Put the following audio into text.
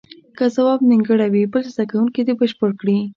که ځواب نیمګړی وي بل زده کوونکی دې بشپړ کړي.